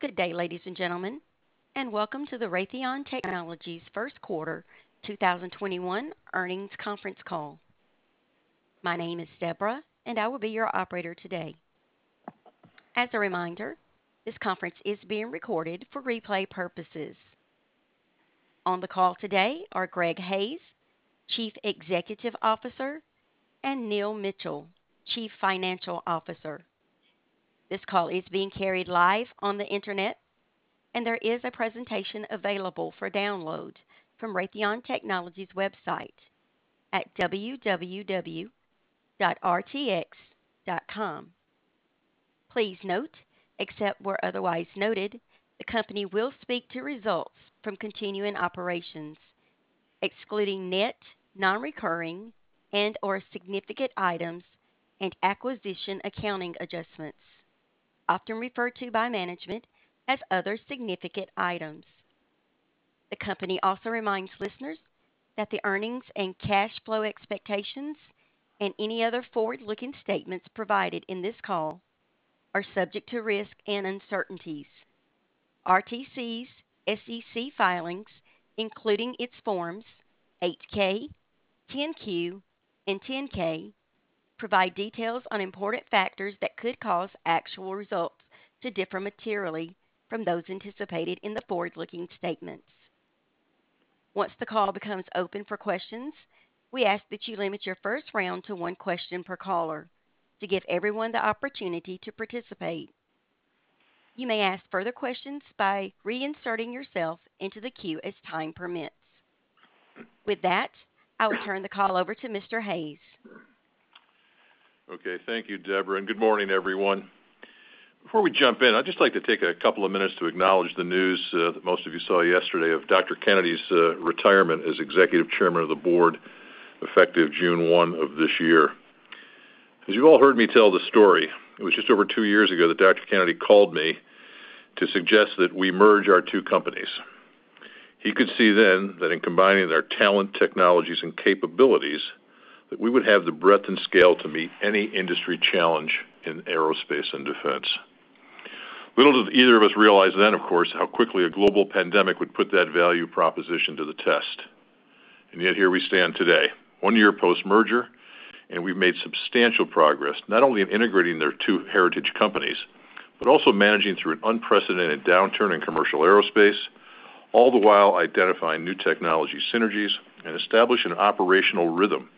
Good day, ladies and gentlemen, and welcome to the Raytheon Technologies first quarter 2021 earnings conference call. My name is Deborah, and I will be your operator today. As a reminder, this conference is being recorded for replay purposes. On the call today are Greg Hayes, Chief Executive Officer, and Neil Mitchill, Chief Financial Officer. This call is being carried live on the internet, and there is a presentation available for download from Raytheon Technologies' website at www.rtx.com. Please note, except where otherwise noted, the company will speak to results from continuing operations, excluding net, non-recurring, and/or significant items and acquisition accounting adjustments, often referred to by management as other significant items. The company also reminds listeners that the earnings and cash flow expectations and any other forward-looking statements provided in this call are subject to risk and uncertainties. RTX's SEC filings, including its forms 8-K, 10-Q, and 10-K, provide details on important factors that could cause actual results to differ materially from those anticipated in the forward-looking statements. Once the call becomes open for questions, we ask that you limit your first round to one question per caller to give everyone the opportunity to participate. You may ask further questions by reinserting yourself into the queue as time permits. With that, I will turn the call over to Mr. Hayes. Okay. Thank you, Deborah. Good morning, everyone. Before we jump in, I'd just like to take a couple of minutes to acknowledge the news that most of you saw yesterday of Dr. Kennedy's retirement as Executive Chairman of the Board, effective June 1 of this year. As you all heard me tell the story, it was just over two years ago that Dr. Kennedy called me to suggest that we merge our two companies. He could see then that in combining their talent, technologies, and capabilities, that we would have the breadth and scale to meet any industry challenge in aerospace and defense. Little did either of us realize then, of course, how quickly a global pandemic would put that value proposition to the test. Yet, here we stand today, one year post-merger, and we've made substantial progress, not only in integrating their two heritage companies, but also managing through an unprecedented downturn in commercial aerospace, all the while identifying new technology synergies and establish an operational rhythm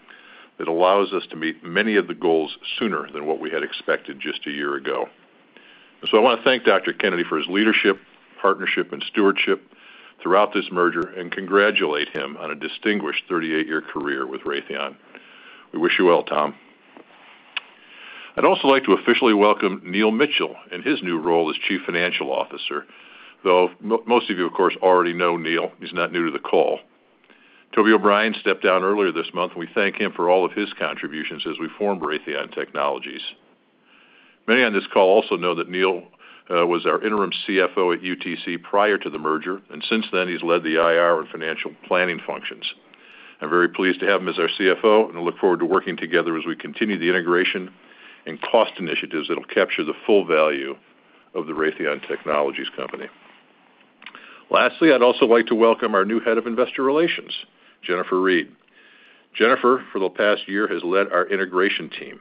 that allows us to meet many of the goals sooner than what we had expected just a year ago. So I want to thank Dr. Kennedy for his leadership, partnership, and stewardship throughout this merger and congratulate him on a distinguished 38-year career with Raytheon. We wish you well, Tom. I'd also like to officially welcome Neil Mitchill in his new role as Chief Financial Officer, though most of you, of course, already know Neil. He's not new to the call. Toby O'Brien stepped down earlier this month. We thank him for all of his contributions as we formed Raytheon Technologies. Many on this call also know that Neil was our interim CFO at UTC prior to the merger, and since then he's led the IR and financial planning functions. I'm very pleased to have him as our CFO, and I look forward to working together as we continue the integration and cost initiatives that'll capture the full value of the Raytheon Technologies company. Lastly, I'd also like to welcome our new head of Investor Relations, Jennifer Reed. Jennifer, for the past year, has led our integration team.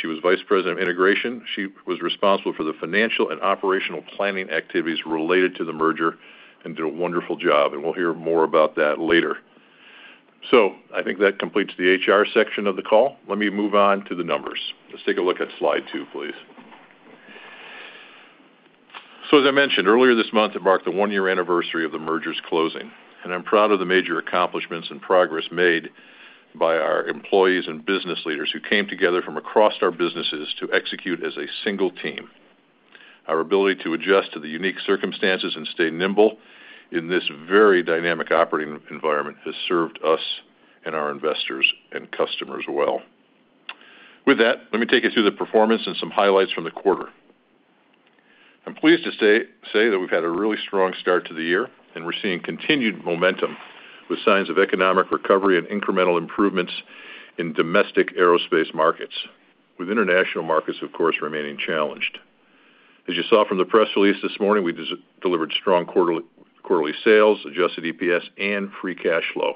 She was Vice President of Integration. She was responsible for the financial and operational planning activities related to the merger and did a wonderful job, and we'll hear more about that later. I think that completes the HR section of the call. Let me move on to the numbers. Let's take a look at Slide two, please. As I mentioned earlier this month, it marked the one-year anniversary of the merger's closing, and I'm proud of the major accomplishments and progress made by our employees and business leaders who came together from across our businesses to execute as a single team. Our ability to adjust to the unique circumstances and stay nimble in this very dynamic operating environment has served us and our investors and customers well. With that, let me take you through the performance and some highlights from the quarter. I'm pleased to say that we've had a really strong start to the year, and we're seeing continued momentum with signs of economic recovery and incremental improvements in domestic aerospace markets. With international markets, of course, remaining challenged. As you saw from the press release this morning, we delivered strong quarterly sales, adjusted EPS, and free cash flow,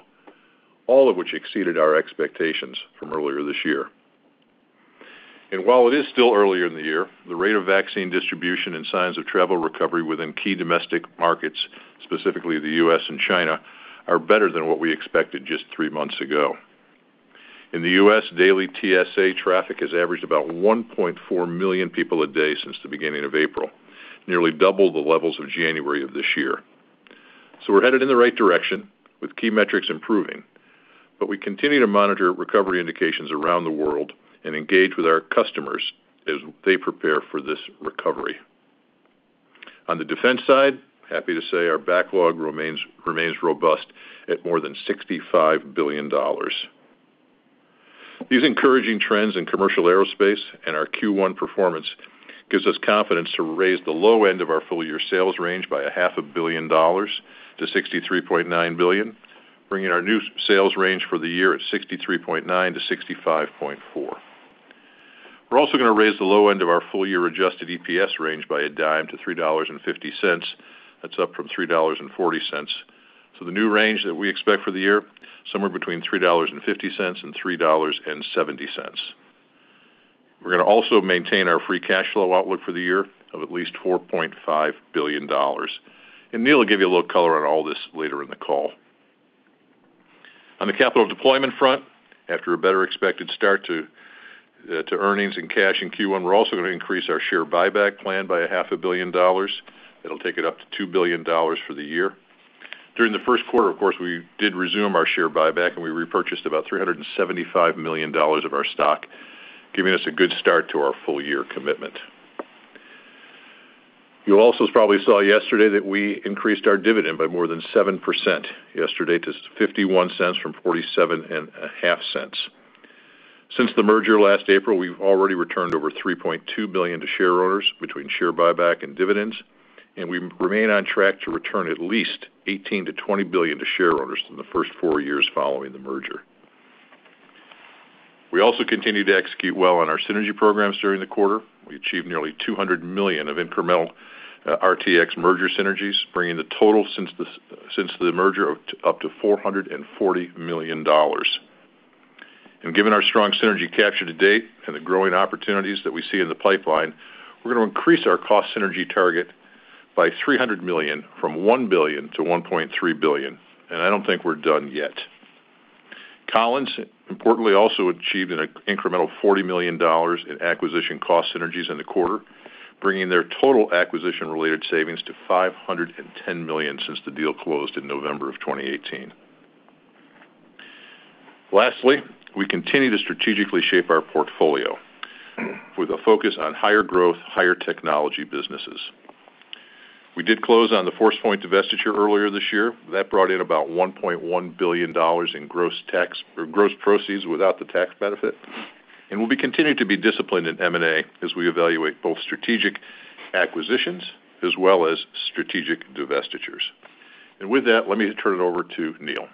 all of which exceeded our expectations from earlier this year. While it is still early in the year, the rate of vaccine distribution and signs of travel recovery within key domestic markets, specifically the U.S. and China, are better than what we expected just three months ago. In the U.S., daily TSA traffic has averaged about 1.4 million people a day since the beginning of April, nearly double the levels of January of this year. We're headed in the right direction with key metrics improving, but we continue to monitor recovery indications around the world and engage with our customers as they prepare for this recovery. On the defense side, happy to say our backlog remains robust at more than $65 billion. These encouraging trends in commercial aerospace and our Q1 performance gives us confidence to raise the low end of our full-year sales range by a half a billion dollars to $63.9 billion, bringing our new sales range for the year at $63.9 billion-$65.4 billion. We're also going to raise the low end of our full-year adjusted EPS range by a dime to $3.50. That's up from $3.40. The new range that we expect for the year, somewhere between $3.50 and $3.70. We're going to also maintain our free cash flow outlook for the year of at least $4.5 billion. Neil will give you a little color on all this later in the call. On the capital deployment front, after a better-than-expected start to earnings and cash in Q1, we're also going to increase our share buyback plan by a half a billion dollars. It'll take it up to $2 billion for the year. During the first quarter, of course, we did resume our share buyback, and we repurchased about $375 million of our stock, giving us a good start to our full-year commitment. You also probably saw yesterday that we increased our dividend by more than 7% yesterday to $0.51 from $0.475. Since the merger last April, we've already returned over $3.2 billion to share owners between share buyback and dividends. We remain on track to return at least $18 billion-$20 billion to share owners in the first four years following the merger. We also continued to execute well on our synergy programs during the quarter. We achieved nearly $200 million of incremental RTX merger synergies, bringing the total since the merger up to $440 million. Given our strong synergy capture to date and the growing opportunities that we see in the pipeline, we're going to increase our cost synergy target by $300 million, from $1 billion to $1.3 billion, and I don't think we're done yet. Collins importantly also achieved an incremental $40 million in acquisition cost synergies in the quarter, bringing their total acquisition-related savings to $510 million since the deal closed in November 2018. Lastly, we continue to strategically shape our portfolio with a focus on higher growth, higher technology businesses. We did close on the Forcepoint divestiture earlier this year. That brought in about $1.1 billion in gross proceeds without the tax benefit. We'll be continuing to be disciplined in M&A as we evaluate both strategic acquisitions as well as strategic divestitures. With that, let me turn it over to Neil.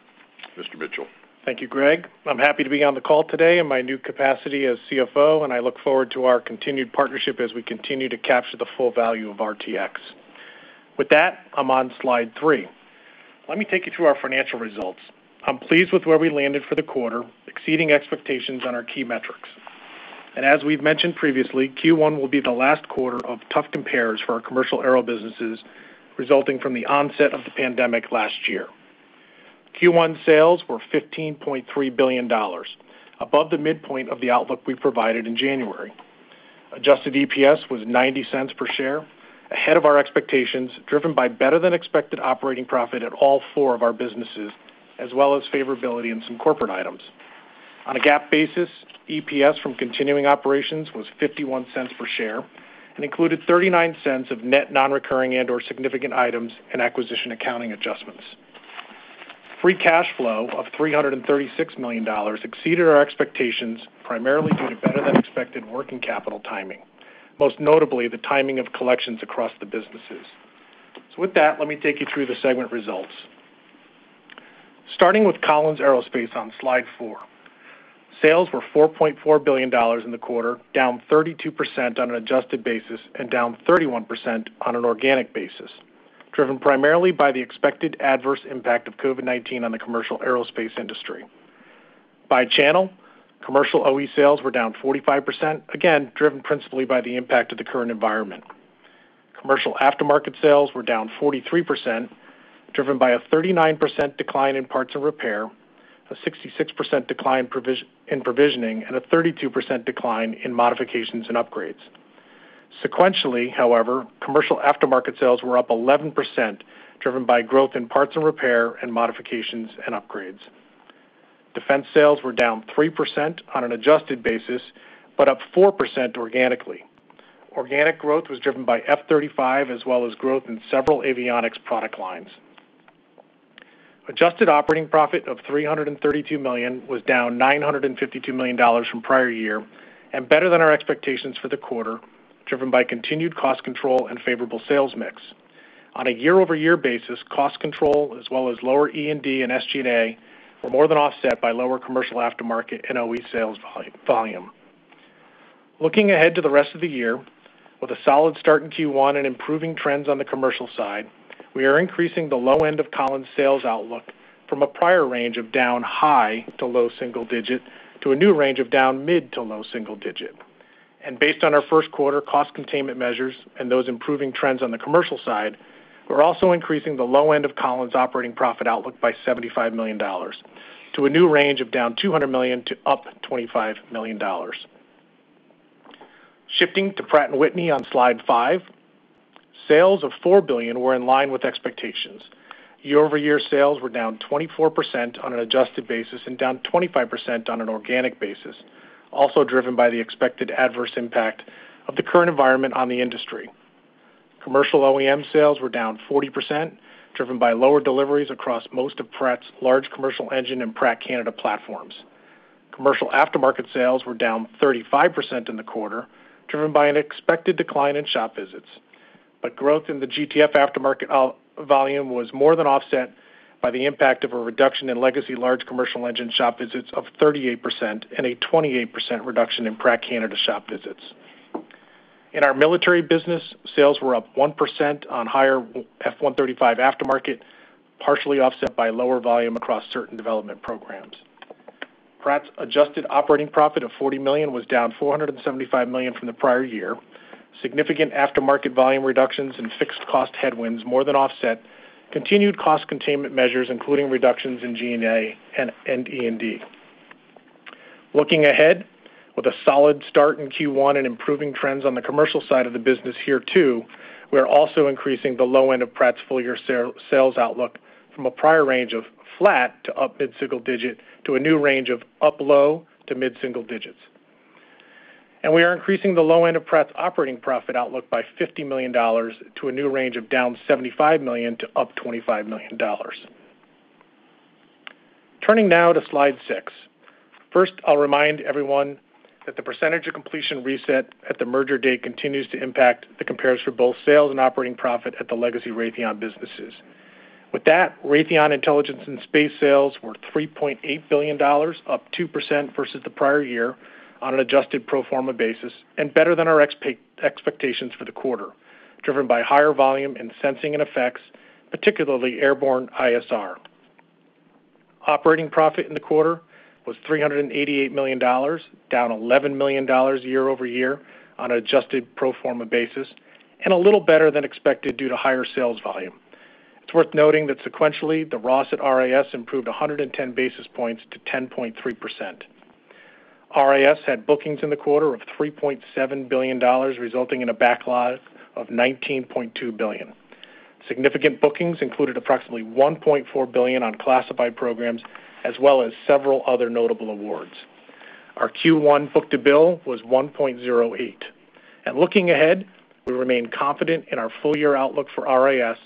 Mr. Mitchill. Thank you, Greg. I'm happy to be on the call today in my new capacity as CFO. I look forward to our continued partnership as we continue to capture the full value of RTX. With that, I'm on Slide three. Let me take you through our financial results. I'm pleased with where we landed for the quarter, exceeding expectations on our key metrics. As we've mentioned previously, Q1 will be the last quarter of tough compares for our commercial aero businesses, resulting from the onset of the pandemic last year. Q1 sales were $15.3 billion, above the midpoint of the outlook we provided in January. Adjusted EPS was $0.90 per share, ahead of our expectations, driven by better-than-expected operating profit at all four of our businesses, as well as favorability in some corporate items. On a GAAP basis, EPS from continuing operations was $0.51 per share and included $0.39 of net non-recurring and/or significant items and acquisition accounting adjustments. Free cash flow of $336 million exceeded our expectations, primarily due to better-than-expected working capital timing, most notably the timing of collections across the businesses. With that, let me take you through the segment results. Starting with Collins Aerospace on Slide four, sales were $4.4 billion in the quarter, down 32% on an adjusted basis and down 31% on an organic basis, driven primarily by the expected adverse impact of COVID-19 on the commercial aerospace industry. By channel, commercial OE sales were down 45%, again, driven principally by the impact of the current environment. Commercial aftermarket sales were down 43%, driven by a 39% decline in parts and repair, a 66% decline in provisioning, and a 32% decline in modifications and upgrades. Sequentially, commercial aftermarket sales were up 11%, driven by growth in parts and repair and modifications and upgrades. Defense sales were down 3% on an adjusted basis, up 4% organically. Organic growth was driven by F-35 as well as growth in several avionics product lines. Adjusted operating profit of $332 million was down $952 million from prior year and better than our expectations for the quarter, driven by continued cost control and favorable sales mix. On a year-over-year basis, cost control as well as lower E&D and SG&A were more than offset by lower commercial aftermarket and OE sales volume. Looking ahead to the rest of the year with a solid start in Q1 and improving trends on the commercial side, we are increasing the low end of Collins sales outlook from a prior range of down high to low single digit to a new range of down mid to low single digit. Based on our first quarter cost containment measures and those improving trends on the commercial side, we are also increasing the low end of Collins operating profit outlook by $75 million to a new range of down $200 million to up $25 million. Shifting to Pratt & Whitney on Slide five, sales of $4 billion were in line with expectations. Year-over-year sales were down 24% on an adjusted basis and down 25% on an organic basis, also driven by the expected adverse impact of the current environment on the industry. Commercial OEM sales were down 40%, driven by lower deliveries across most of Pratt's large commercial engine and Pratt Canada platforms. Commercial aftermarket sales were down 35% in the quarter, driven by an expected decline in shop visits. Growth in the GTF aftermarket volume was more than offset by the impact of a reduction in legacy large commercial engine shop visits of 38% and a 28% reduction in Pratt Canada shop visits. In our military business, sales were up 1% on higher F135 aftermarket, partially offset by lower volume across certain development programs. Pratt's adjusted operating profit of $40 million was down $475 million from the prior year. Significant aftermarket volume reductions and fixed cost headwinds more than offset continued cost containment measures, including reductions in G&A and E&D. Looking ahead, with a solid start in Q1 and improving trends on the commercial side of the business here too, we are also increasing the low end of Pratt's full-year sales outlook from a prior range of flat to up mid-single-digit to a new range of up low-to-mid-single digits. We are increasing the low end of Pratt's operating profit outlook by $50 million to a new range of down $75 million to up $25 million. Turning now to Slide six. First, I'll remind everyone that the percentage of completion reset at the merger date continues to impact the compares for both sales and operating profit at the legacy Raytheon businesses. With that, Raytheon Intelligence & Space sales were $3.8 billion, up 2% versus the prior year on an adjusted pro forma basis, and better than our expectations for the quarter, driven by higher volume in sensing and effects, particularly airborne ISR. Operating profit in the quarter was $388 million, down $11 million year-over-year on an adjusted pro forma basis, and a little better than expected due to higher sales volume. It's worth noting that sequentially, the ROS at RIS improved 110 basis points to 10.3%. RIS had bookings in the quarter of $3.7 billion, resulting in a backlog of $19.2 billion. Significant bookings included approximately $1.4 billion on classified programs, as well as several other notable awards. Our Q1 book-to-bill was 1.08. Looking ahead, we remain confident in our full-year outlook for RIS,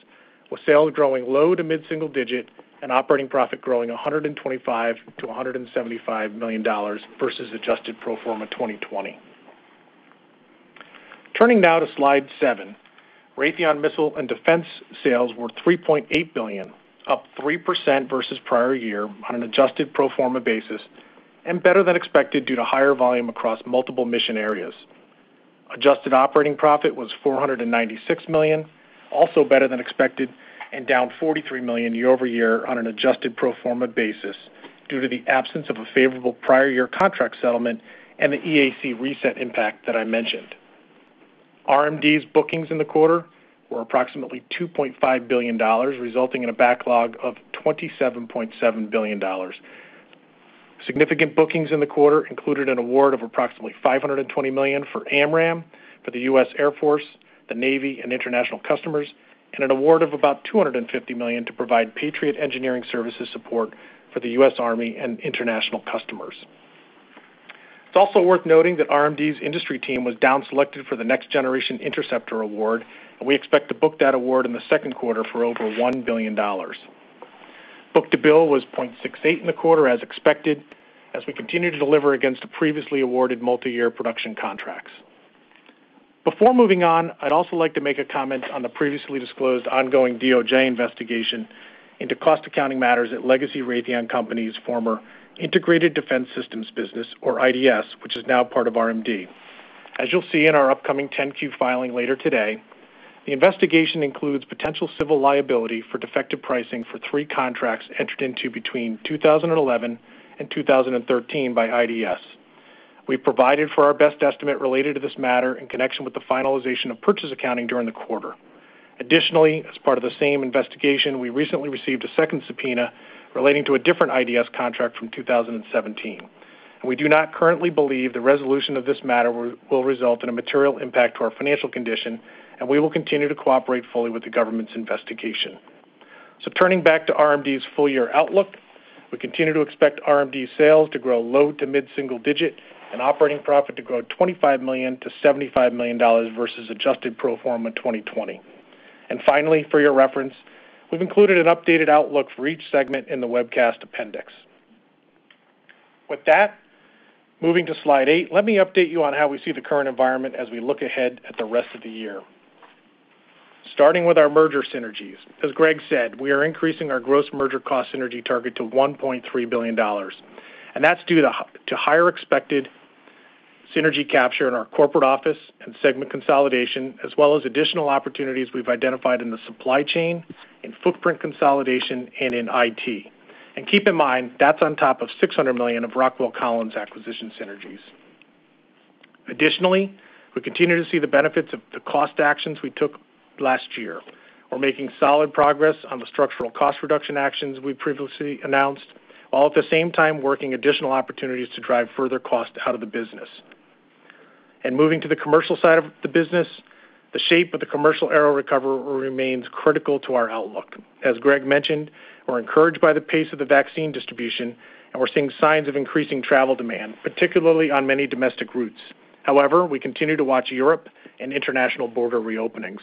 with sales growing low to mid-single digit and operating profit growing $125 million-$175 million versus adjusted pro forma 2020. Turning now to Slide seven. Raytheon Missiles & Defense sales were $3.8 billion, up 3% versus prior year on an adjusted pro forma basis, and better than expected due to higher volume across multiple mission areas. Adjusted operating profit was $496 million, also better than expected, and down $43 million year-over-year on an adjusted pro forma basis due to the absence of a favorable prior year contract settlement and the EAC reset impact that I mentioned. RMD's bookings in the quarter were approximately $2.5 billion, resulting in a backlog of $27.7 billion. Significant bookings in the quarter included an award of approximately $520 million for AMRAAM for the U.S. Air Force, the Navy, and international customers, and an award of about $250 million to provide Patriot engineering services support for the U.S. Army and international customers. It's also worth noting that RMD's industry team was downselected for the Next Generation Interceptor award, and we expect to book that award in the second quarter for over $1 billion. Book-to-bill was 0.68 in the quarter as expected, as we continue to deliver against the previously awarded multi-year production contracts. Before moving on, I'd also like to make a comment on the previously disclosed ongoing DOJ investigation into cost accounting matters at legacy Raytheon Company's former Integrated Defense Systems business, or IDS, which is now part of RMD. As you'll see in our upcoming 10-Q filing later today, the investigation includes potential civil liability for defective pricing for three contracts entered into between 2011 and 2013 by IDS. We've provided for our best estimate related to this matter in connection with the finalization of purchase accounting during the quarter. Additionally, as part of the same investigation, we recently received a second subpoena relating to a different IDS contract from 2017. We do not currently believe the resolution of this matter will result in a material impact to our financial condition, and we will continue to cooperate fully with the government's investigation. Turning back to RMD's full-year outlook, we continue to expect RMD sales to grow low to mid-single digit and operating profit to grow $25 million-$75 million versus adjusted pro forma 2020. Finally, for your reference, we've included an updated outlook for each segment in the webcast appendix. With that, moving to Slide eight, let me update you on how we see the current environment as we look ahead at the rest of the year. Starting with our merger synergies. As Greg said, we are increasing our gross merger cost synergy target to $1.3 billion. That's due to higher expected synergy capture in our corporate office and segment consolidation, as well as additional opportunities we've identified in the supply chain, in footprint consolidation, and in IT. Keep in mind, that's on top of $600 million of Rockwell Collins acquisition synergies. Additionally, we continue to see the benefits of the cost actions we took last year. We're making solid progress on the structural cost reduction actions we've previously announced, while at the same time working additional opportunities to drive further cost out of the business. Moving to the commercial side of the business, the shape of the commercial aero recovery remains critical to our outlook. As Greg mentioned, we're encouraged by the pace of the vaccine distribution, and we're seeing signs of increasing travel demand, particularly on many domestic routes. However, we continue to watch Europe and international border reopenings.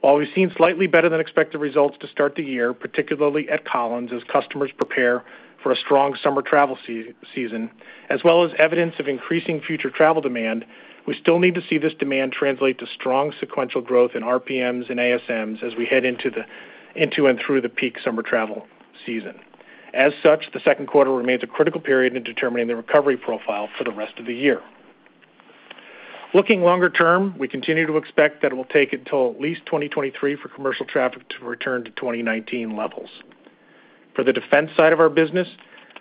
While we've seen slightly better than expected results to start the year, particularly at Collins, as customers prepare for a strong summer travel season, as well as evidence of increasing future travel demand, we still need to see this demand translate to strong sequential growth in RPMs and ASMs as we head into and through the peak summer travel season. As such, the second quarter remains a critical period in determining the recovery profile for the rest of the year. Looking longer term, we continue to expect that it will take until at least 2023 for commercial traffic to return to 2019 levels. For the defense side of our business,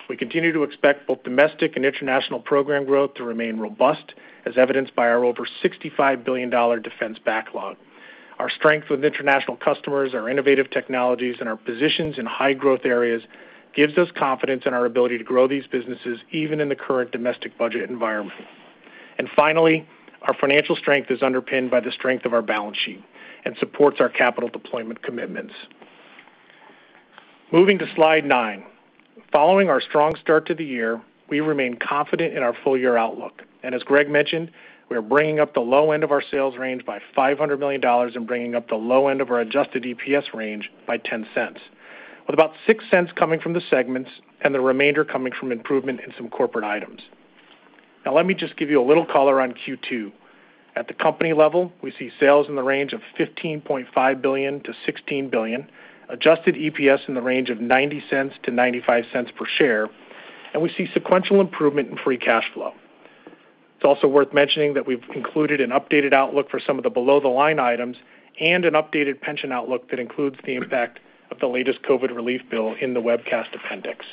we continue to expect both domestic and international program growth to remain robust, as evidenced by our over $65 billion defense backlog. Our strength with international customers, our innovative technologies, and our positions in high growth areas gives us confidence in our ability to grow these businesses, even in the current domestic budget environment. Finally, our financial strength is underpinned by the strength of our balance sheet and supports our capital deployment commitments. Moving to Slide nine. Following our strong start to the year, we remain confident in our full-year outlook. As Greg mentioned, we are bringing up the low end of our sales range by $500 million and bringing up the low end of our adjusted EPS range by $0.10, with about $0.06 coming from the segments and the remainder coming from improvement in some corporate items. Let me just give you a little color on Q2. At the company level, we see sales in the range of $15.5 billion-$16 billion, adjusted EPS in the range of $0.90-$0.95 per share, and we see sequential improvement in free cash flow. It's also worth mentioning that we've included an updated outlook for some of the below the line items and an updated pension outlook that includes the impact of the latest COVID relief bill in the webcast appendix.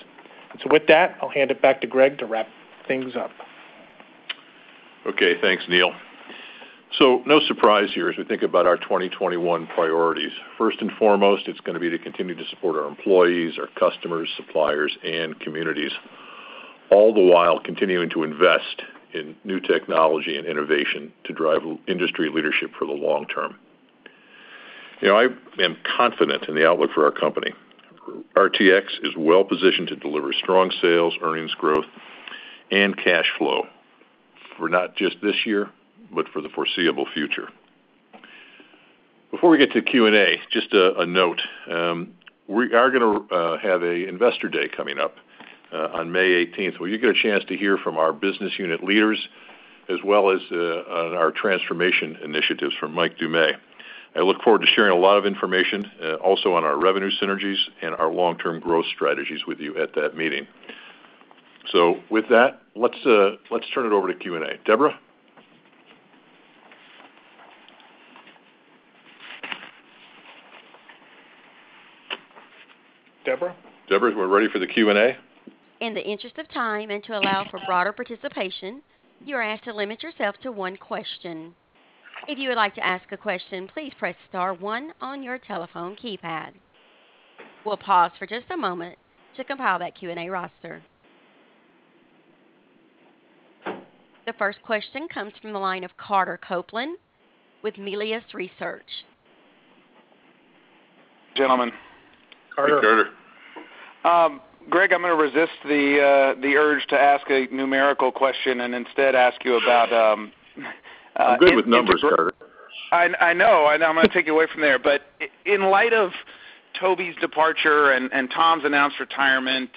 With that, I'll hand it back to Greg to wrap things up. Okay, thanks, Neil. No surprise here as we think about our 2021 priorities. First and foremost, it's going to be to continue to support our employees, our customers, suppliers, and communities, all the while continuing to invest in new technology and innovation to drive industry leadership for the long term. I am confident in the outlook for our company. RTX is well-positioned to deliver strong sales, earnings growth, and cash flow for not just this year, but for the foreseeable future. Before we get to Q&A, just a note. We are going to have a Investor Day coming up on May 18th, where you get a chance to hear from our business unit leaders, as well as on our transformation initiatives from Mike Dumais. I look forward to sharing a lot of information also on our revenue synergies and our long-term growth strategies with you at that meeting. With that, let's turn it over to Q&A. Deborah? Deborah? Deborah, we're ready for the Q&A. In the interest of time and to allow for broader participation, you are asked to limit yourself to one question. If you would like to ask a question, please press star one on your telephone keypad. We'll pause for just a moment to compile that Q&A roster. The first question comes from the line of Carter Copeland with Melius Research. Gentlemen. Hey, Carter. Carter. Greg, I'm going to resist the urge to ask a numerical question and instead ask you about. I'm good with numbers, Carter. I know. I'm going to take you away from there. In light of Toby's departure and Tom's announced retirement,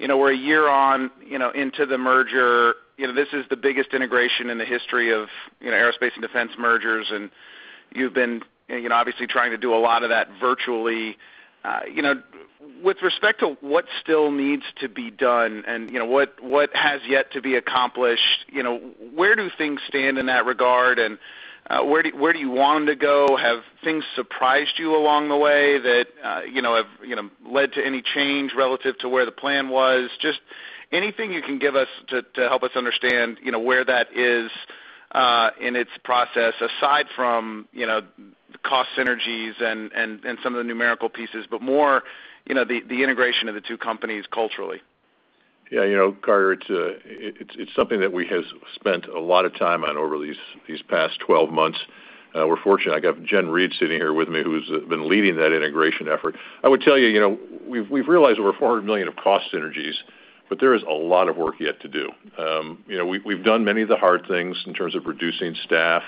we're a year on into the merger, this is the biggest integration in the history of aerospace and defense mergers, you've been obviously trying to do a lot of that virtually. With respect to what still needs to be done and what has yet to be accomplished, where do things stand in that regard, and where do you want them to go? Have things surprised you along the way that have led to any change relative to where the plan was? Just anything you can give us to help us understand where that is in its process, aside from the cost synergies and some of the numerical pieces, but more the integration of the two companies culturally. Carter, it's something that we have spent a lot of time on over these past 12 months. We're fortunate, I got Jen Reed sitting here with me, who's been leading that integration effort. I would tell you, we've realized over $400 million of cost synergies. There is a lot of work yet to do. We've done many of the hard things in terms of reducing staff,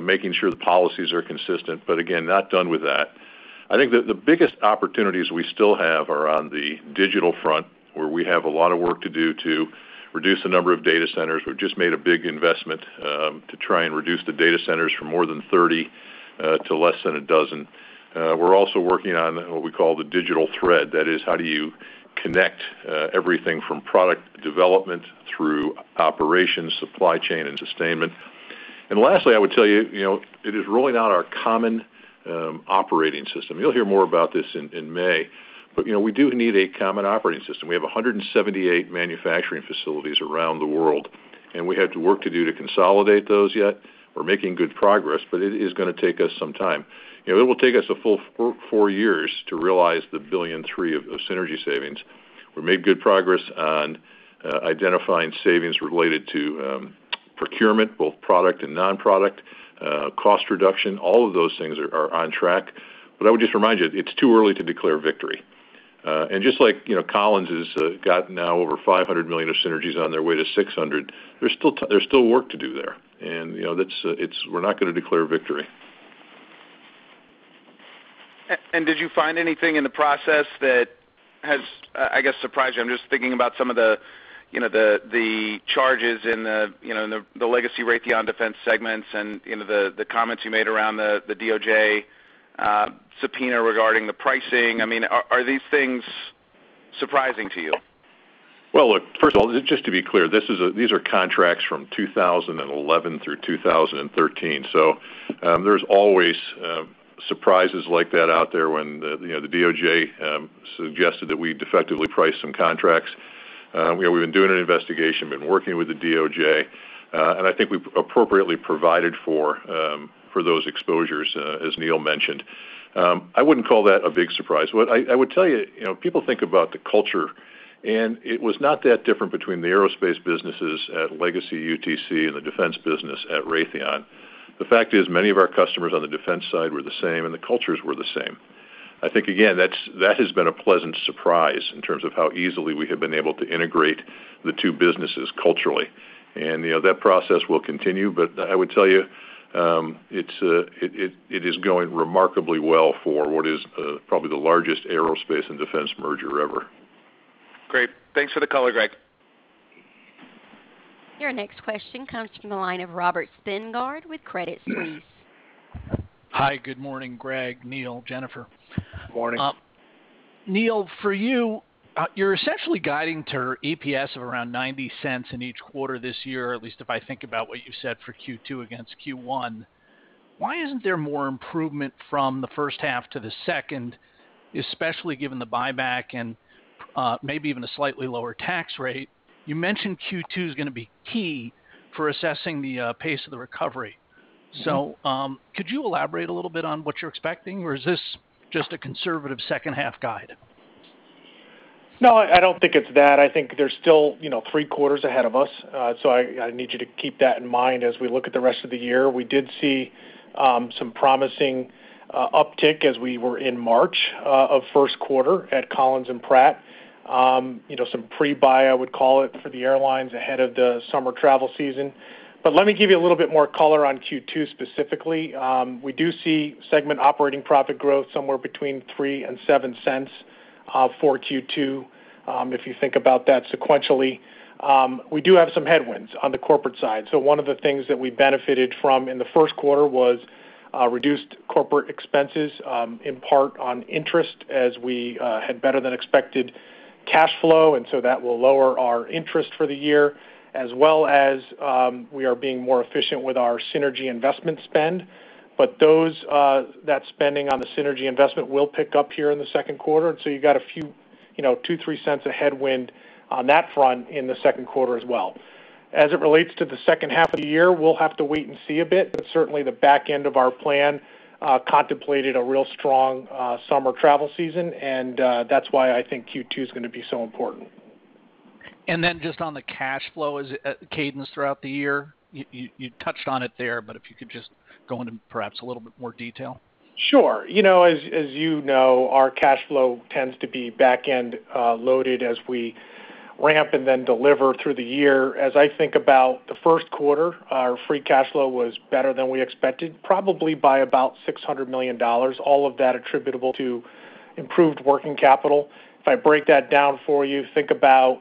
making sure the policies are consistent. Again, not done with that. I think that the biggest opportunities we still have are on the digital front, where we have a lot of work to do to reduce the number of data centers. We've just made a big investment to try and reduce the data centers from more than 30 to less than a dozen. We're also working on what we call the digital thread. That is, how do you connect everything from product development through operations, supply chain, and sustainment. Lastly, I would tell you, it is rolling out our common operating system. You'll hear more about this in May. We do need a common operating system. We have 178 manufacturing facilities around the world, and we have work to do to consolidate those yet. We're making good progress, but it is going to take us some time. It will take us a full four years to realize the $1.3 billion of synergy savings. We've made good progress on identifying savings related to procurement, both product and non-product, cost reduction, all of those things are on track. I would just remind you, it's too early to declare victory. Just like Collins has got now over $500 million of synergies on their way to $600 million, there's still work to do there. We're not going to declare victory. Did you find anything in the process that has, I guess, surprised you? I'm just thinking about some of the charges in the legacy Raytheon defense segments and the comments you made around the DOJ subpoena regarding the pricing. Are these things surprising to you? Well, look, first of all, just to be clear, these are contracts from 2011 through 2013. There's always surprises like that out there when the DOJ suggested that we defectively priced some contracts. We've been doing an investigation, been working with the DOJ, and I think we've appropriately provided for those exposures, as Neil mentioned. I wouldn't call that a big surprise. I would tell you, people think about the culture, and it was not that different between the aerospace businesses at legacy UTC and the defense business at Raytheon. The fact is, many of our customers on the defense side were the same, and the cultures were the same. I think, again, that has been a pleasant surprise in terms of how easily we have been able to integrate the two businesses culturally. That process will continue, but I would tell you, it is going remarkably well for what is probably the largest aerospace and defense merger ever. Great. Thanks for the color, Greg. Your next question comes from the line of Robert Spingarn with Credit Suisse. Hi, good morning, Greg, Neil, Jennifer. Morning. Neil, for you're essentially guiding to EPS of around $0.90 in each quarter this year, at least if I think about what you said for Q2 against Q1. Why isn't there more improvement from the first half to the second, especially given the buyback and maybe even a slightly lower tax rate? You mentioned Q2 is going to be key for assessing the pace of the recovery. Could you elaborate a little bit on what you're expecting? Is this just a conservative second half guide? No, I don't think it's that. I think there's still three quarters ahead of us. I need you to keep that in mind as we look at the rest of the year. We did see some promising uptick as we were in March of first quarter at Collins and Pratt. Some pre-buy, I would call it, for the airlines ahead of the summer travel season. Let me give you a little bit more color on Q2 specifically. We do see segment operating profit growth somewhere between $0.03 and $0.07 for Q2, if you think about that sequentially. We do have some headwinds on the corporate side. One of the things that we benefited from in the first quarter was reduced corporate expenses, in part on interest, as we had better than expected cash flow, and so that will lower our interest for the year, as well as we are being more efficient with our synergy investment spend. That spending on the synergy investment will pick up here in the second quarter. You got a few, $0.02, $0.03 a headwind on that front in the second quarter as well. As it relates to the second half of the year, we'll have to wait and see a bit, but certainly the back end of our plan contemplated a real strong summer travel season, and that's why I think Q2 is going to be so important. Just on the cash flow cadence throughout the year, you touched on it there, but if you could just go into perhaps a little bit more detail. Sure. As you know, our cash flow tends to be back end loaded as we ramp and then deliver through the year. I think about the first quarter, our free cash flow was better than we expected, probably by about $600 million, all of that attributable to improved working capital. I break that down for you, think about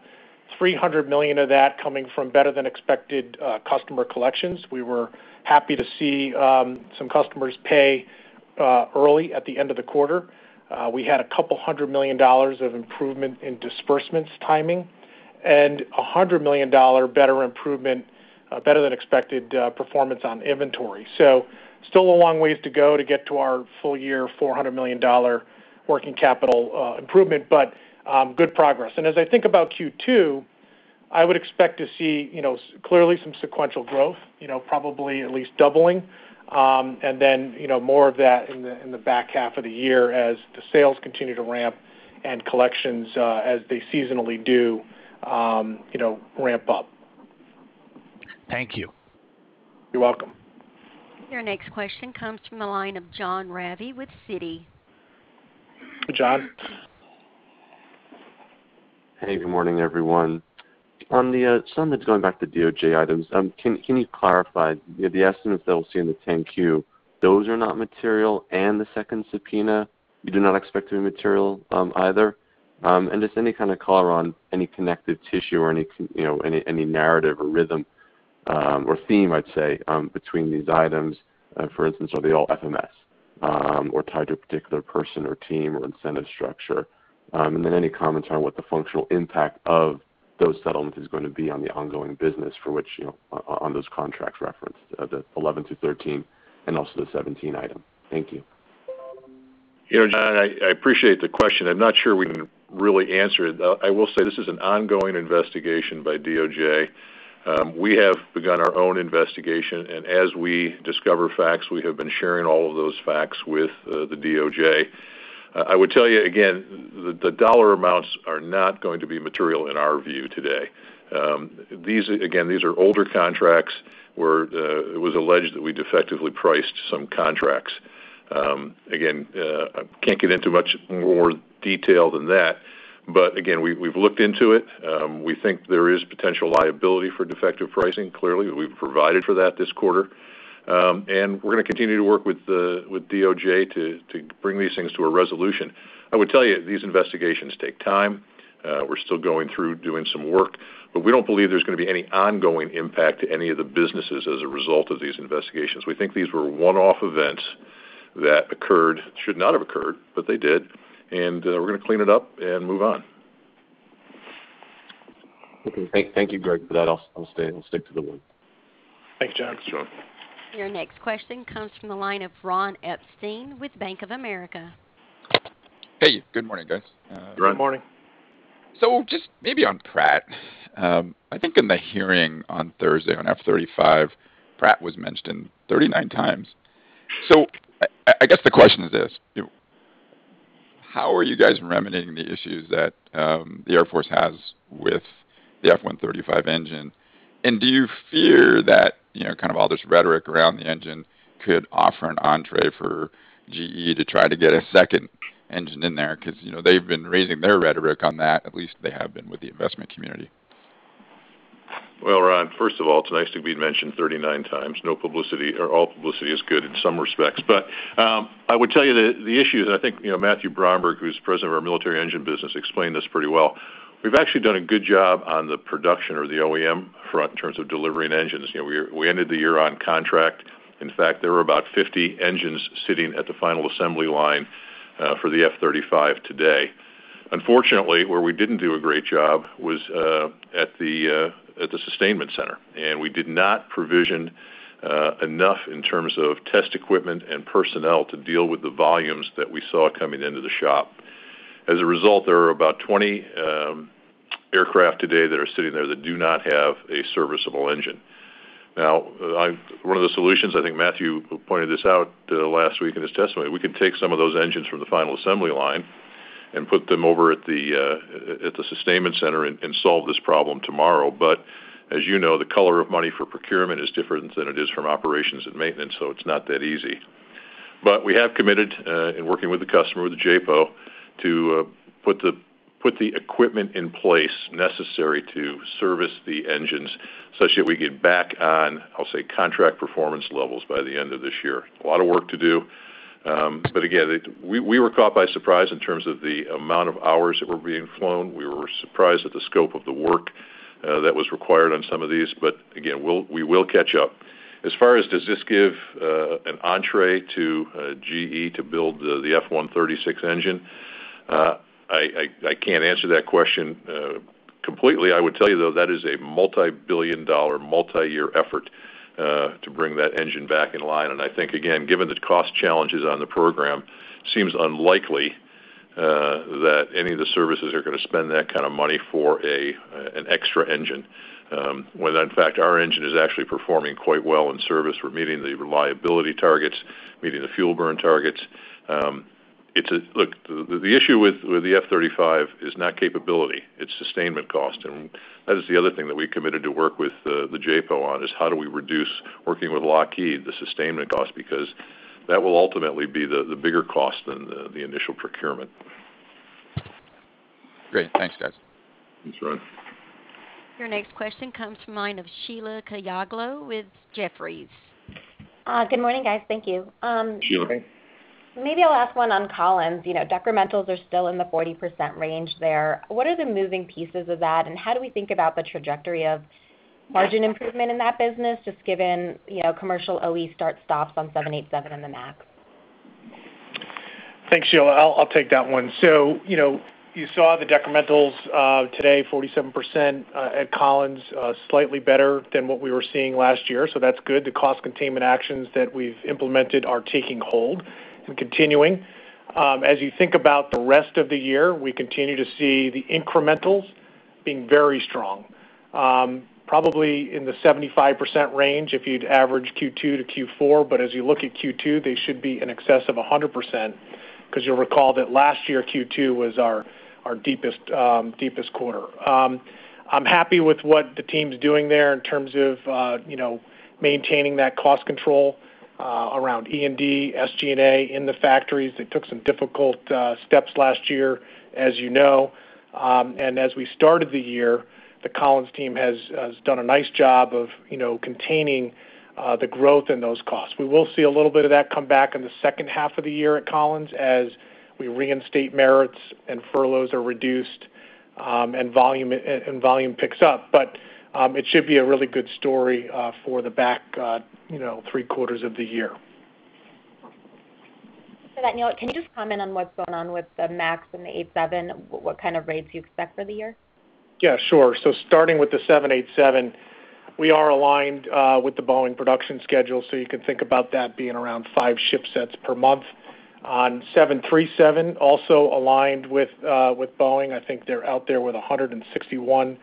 $300 million of that coming from better than expected customer collections. We were happy to see some customers pay early at the end of the quarter. We had a couple hundred million dollars of improvement in disbursements timing and $100 million better than expected performance on inventory. Still a long ways to go to get to our full year $400 million working capital improvement, good progress. As I think about Q2, I would expect to see clearly some sequential growth, probably at least doubling, and then more of that in the back half of the year as the sales continue to ramp and collections as they seasonally do ramp up. Thank you. You're welcome. Your next question comes from the line of Jon Raviv with Citi. Hey, Jon. Hey, good morning, everyone. On the settlements going back to DOJ items, can you clarify the estimates that we'll see in the 10-Q, those are not material, and the second subpoena, you do not expect to be material either? Just any kind of color on any connective tissue or any narrative or rhythm or theme, I'd say, between these items. For instance, are they all FMS or tied to a particular person or team or incentive structure? Any comments on what the functional impact of those settlements is going to be on the ongoing business on those contracts referenced, the 2011 to 2013 and also the 2017 item? Thank you. Jon, I appreciate the question. I'm not sure we can really answer it. This is an ongoing investigation by DOJ. We have begun our own investigation, as we discover facts, we have been sharing all of those facts with the DOJ. I would tell you again, the dollar amounts are not going to be material in our view today. Again, these are older contracts where it was alleged that we defectively priced some contracts. Again, I can't get into much more detail than that. Again, we've looked into it. We think there is potential liability for defective pricing. Clearly, we've provided for that this quarter, we're going to continue to work with the DOJ to bring these things to a resolution. I would tell you, these investigations take time. We're still going through doing some work, but we don't believe there's going to be any ongoing impact to any of the businesses as a result of these investigations. We think these were one-off events that occurred, should not have occurred, but they did, and we're going to clean it up and move on. Okay. Thank you, Greg, for that. I'll stick to the word. Thanks, Jon. Your next question comes from the line of Ron Epstein with Bank of America. Hey, good morning, guys. Good morning. Just maybe on Pratt. I think in the hearing on Thursday on F-35, Pratt was mentioned 39 times. I guess the question is this, how are you guys remedying the issues that the Air Force has with the F135 engine? Do you fear that kind of all this rhetoric around the engine could offer an entrée for GE to try to get a second engine in there? Because they've been raising their rhetoric on that, at least they have been with the investment community. Well, Ronald, first of all, it's nice to be mentioned 39 times. All publicity is good in some respects. I would tell you that the issue, and I think Matthew Bromberg, who's President of our Military Engines business, explained this pretty well. We've actually done a good job on the production or the OEM front in terms of delivering engines. We ended the year on contract. In fact, there were about 50 engines sitting at the final assembly line for the F-35 today. Unfortunately, where we didn't do a great job was at the sustainment center, and we did not provision enough in terms of test equipment and personnel to deal with the volumes that we saw coming into the shop. As a result, there are about 20 aircraft today that are sitting there that do not have a serviceable engine. One of the solutions, I think Matthew pointed this out last week in his testimony, we can take some of those engines from the final assembly line and put them over at the sustainment center and solve this problem tomorrow. As you know, the color of money for procurement is different than it is from operations and maintenance, so it's not that easy. We have committed in working with the customer, with the JPO, to put the equipment in place necessary to service the engines such that we get back on, I'll say, contract performance levels by the end of this year. A lot of work to do. Again, we were caught by surprise in terms of the amount of hours that were being flown. We were surprised at the scope of the work that was required on some of these. Again, we will catch up. As far as does this give an entrée to GE to build the F136 engine, I can't answer that question completely. I would tell you, though, that is a multi-billion dollar, multi-year effort, to bring that engine back in line. I think, again, given the cost challenges on the program, seems unlikely that any of the services are going to spend that kind of money for an extra engine, when in fact, our engine is actually performing quite well in service. We're meeting the reliability targets, meeting the fuel burn targets. Look, the issue with the F-35 is not capability, it's sustainment cost. That is the other thing that we committed to work with the JPO on, is how do we reduce working with Lockheed, the sustainment cost, because that will ultimately be the bigger cost than the initial procurement. Great. Thanks, guys. Thanks, Ron. Your next question comes from the line of Sheila Kahyaoglu with Jefferies. Good morning, guys. Thank you. Sheila. Maybe I'll ask one on Collins. Decrementals are still in the 40% range there. What are the moving pieces of that, and how do we think about the trajectory of margin improvement in that business, just given commercial OE stops on 787 and the MAX? Thanks, Sheila. I'll take that one. You saw the decrementals today, 47% at Collins, slightly better than what we were seeing last year. That's good. The cost containment actions that we've implemented are taking hold and continuing. As you think about the rest of the year, we continue to see the incrementals being very strong, probably in the 75% range if you'd average Q2 to Q4. As you look at Q2, they should be in excess of 100%, because you'll recall that last year, Q2 was our deepest quarter. I'm happy with what the team's doing there in terms of maintaining that cost control around E&D, SG&A in the factories. They took some difficult steps last year, as you know. As we started the year, the Collins team has done a nice job of containing the growth in those costs. We will see a little bit of that come back in the second half of the year at Collins as we reinstate merits and furloughs are reduced, and volume picks up. It should be a really good story for the back three quarters of the year. That, Neil, can you just comment on what's going on with the MAX and the 787, what kind of rates you expect for the year? Yeah, sure. Starting with the 787, we are aligned with the Boeing production schedule, you can think about that being around five ship sets per month. On 737, also aligned with Boeing. I think they're out there with 161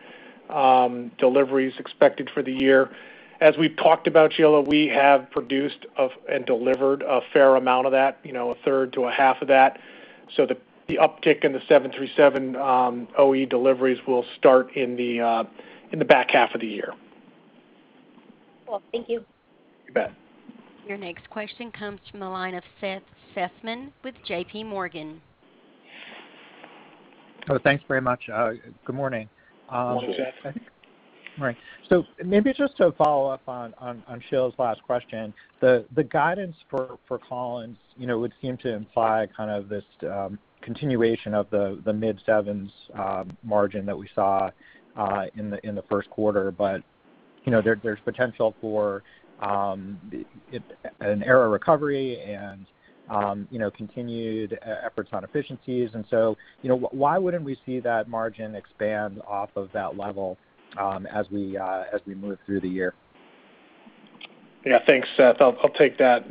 deliveries expected for the year. As we've talked about, Sheila, we have produced and delivered a fair amount of that, a third to a half of that. The uptick in the 737 OE deliveries will start in the back half of the year. Well, thank you. You bet. Your next question comes from the line of Seth Seifman with JPMorgan. Oh, thanks very much. Good morning. Morning, Seth. Right. Maybe just to follow up on Sheila's last question, the guidance for Collins would seem to imply kind of this continuation of the mid-sevens margin that we saw in the first quarter. There's potential for an error recovery and continued efforts on efficiencies, why wouldn't we see that margin expand off of that level as we move through the year? Yeah. Thanks, Seth. I'll take that.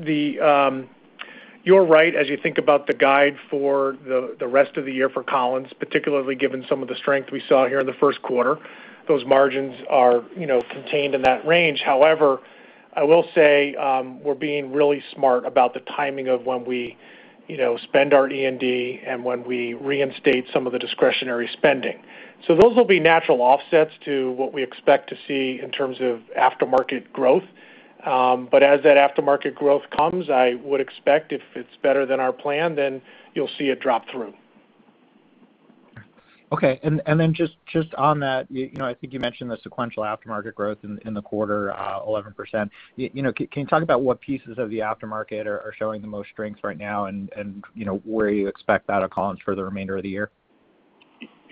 You're right, as you think about the guide for the rest of the year for Collins, particularly given some of the strength we saw here in the first quarter, those margins are contained in that range. I will say we're being really smart about the timing of when we spend our E&D and when we reinstate some of the discretionary spending. Those will be natural offsets to what we expect to see in terms of aftermarket growth. As that aftermarket growth comes, I would expect if it's better than our plan, then you'll see it drop through. Okay. Just on that, I think you mentioned the sequential aftermarket growth in the quarter, 11%. Can you talk about what pieces of the aftermarket are showing the most strength right now and where you expect that at Collins for the remainder of the year?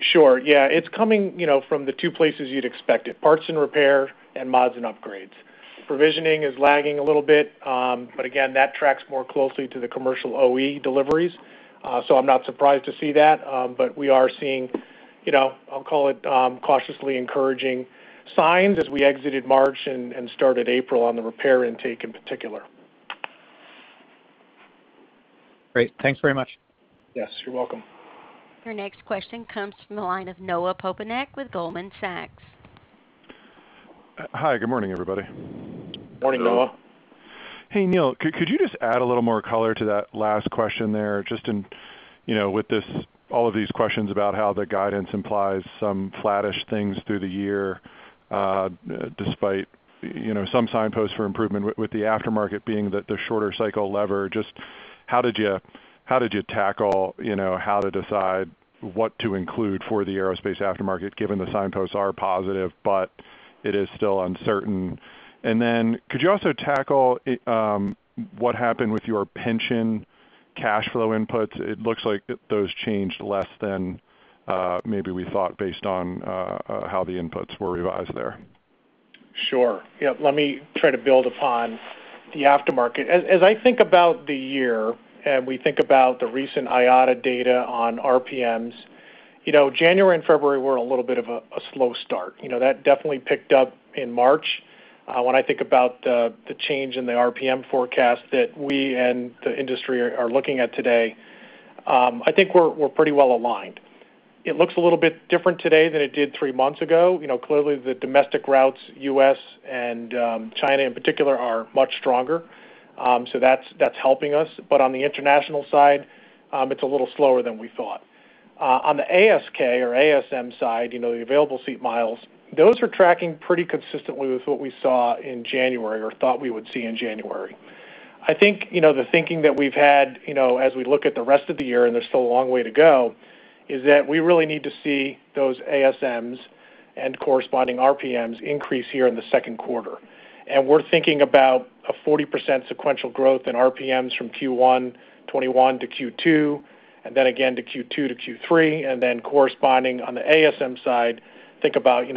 Sure, yeah. It's coming from the two places you'd expect it, parts and repair and mods and upgrades. Provisioning is lagging a little bit, but again, that tracks more closely to the commercial OE deliveries. I'm not surprised to see that. We are seeing, I'll call it cautiously encouraging signs as we exited March and started April on the repair intake in particular. Great. Thanks very much. Yes, you're welcome. Your next question comes from the line of Noah Poponak with Goldman Sachs. Hi, good morning, everybody. Morning, Noah. Hey, Neil, could you just add a little more color to that last question there, just in with all of these questions about how the guidance implies some flattish things through the year despite some signposts for improvement with the aftermarket being the shorter cycle lever, just how did you tackle how to decide what to include for the aerospace aftermarket, given the signposts are positive, but it is still uncertain? Could you also tackle what happened with your pension cash flow inputs? It looks like those changed less than maybe we thought based on how the inputs were revised there. Sure. Yeah. Let me try to build upon the aftermarket. As I think about the year, and we think about the recent IATA data on RPMs, January and February were a little bit of a slow start. That definitely picked up in March. When I think about the change in the RPM forecast that we and the industry are looking at today, I think we're pretty well aligned. It looks a little bit different today than it did three months ago. Clearly, the domestic routes, U.S. and China in particular, are much stronger. That's helping us. On the international side, it's a little slower than we thought. On the ASK or ASM side, the available seat miles, those are tracking pretty consistently with what we saw in January or thought we would see in January. I think, the thinking that we've had as we look at the rest of the year, and there's still a long way to go, is that we really need to see those ASMs and corresponding RPMs increase here in the second quarter. We're thinking about a 40% sequential growth in RPMs from Q1 2021 to Q2, and then again to Q2 to Q3, and then corresponding on the ASM side, think about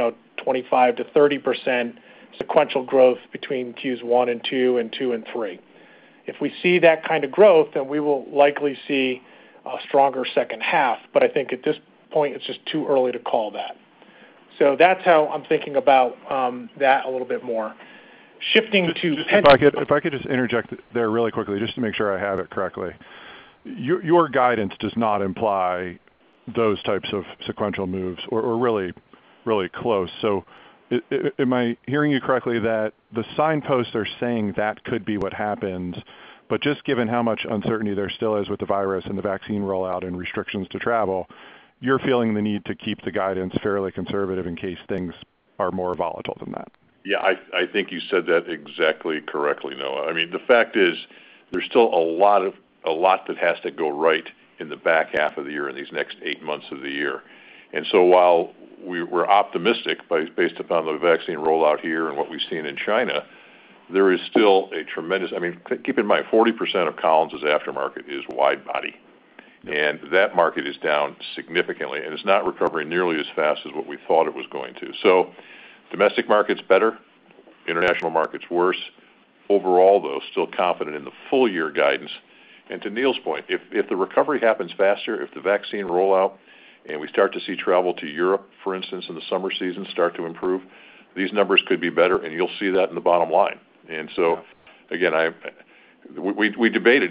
25%-30% sequential growth between Qs one and two and two and three. If we see that kind of growth, then we will likely see a stronger second half, but I think at this point, it's just too early to call that. That's how I'm thinking about that a little bit more. Shifting to pension- If I could just interject there really quickly, just to make sure I have it correctly. Your guidance does not imply those types of sequential moves or really close. Am I hearing you correctly that the signposts are saying that could be what happens, but just given how much uncertainty there still is with the virus and the vaccine rollout and restrictions to travel, you're feeling the need to keep the guidance fairly conservative in case things are more volatile than that? Yeah, I think you said that exactly correctly, Noah. The fact is there's still a lot that has to go right in the back half of the year, in these next eight months of the year. While we're optimistic based upon the vaccine rollout here and what we've seen in China, Keep in mind, 40% of Collins's aftermarket is wide body, and that market is down significantly, and it's not recovering nearly as fast as what we thought it was going to. Domestic market's better, international market's worse. Overall, though, still confident in the full-year guidance. To Neil's point, if the recovery happens faster, if the vaccine rollout and we start to see travel to Europe, for instance, in the summer season start to improve, these numbers could be better, and you'll see that in the bottom line. Again, we debated.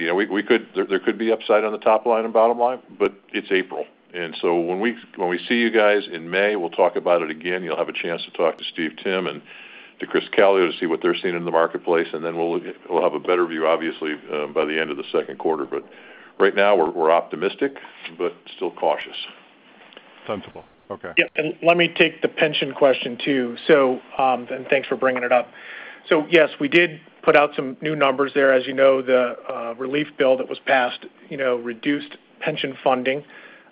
There could be upside on the top line and bottom line, but it's April, and so when we see you guys in May, we'll talk about it again. You'll have a chance to talk to Steve Timm and to Chris Calio to see what they're seeing in the marketplace, and then we'll have a better view, obviously, by the end of the second quarter. Right now we're optimistic but still cautious. Sensible. Okay. Yeah. Let me take the pension question too. Thanks for bringing it up. Yes, we did put out some new numbers there. As you know, the relief bill that was passed reduced pension funding.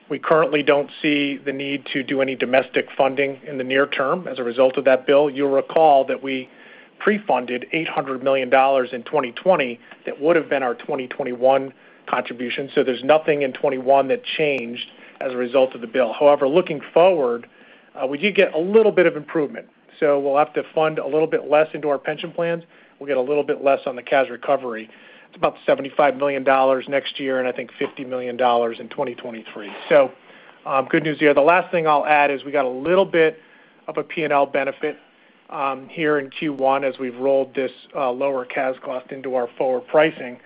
We currently don't see the need to do any domestic funding in the near term as a result of that bill. You'll recall that we pre-funded $800 million in 2020 that would've been our 2021 contribution. There's nothing in 2021 that changed as a result of the bill. However, looking forward, we do get a little bit of improvement. We'll have to fund a little bit less into our pension plans. We'll get a little bit less on the CAS recovery. It's about $75 million next year, and I think $50 million in 2023. Good news here. The last thing I'll add is we got a little bit of a P&L benefit, here in Q1 as we've rolled this lower CAS cost into our forward pricing.